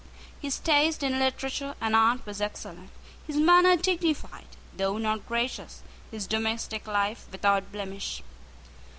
His taste in literature and art was excellent, his manner dignified, though not gracious, his domestic life without blemish.